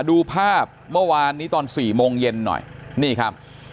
ดูภาพเมื่อวานนี้ตอน๔โมงเย็นหน่อยนี่ครับ